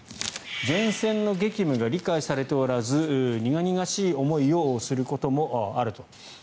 前線の激務が理解されておらず苦々しい思いをすることもあると。